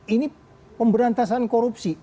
ini pemberantasan korupsi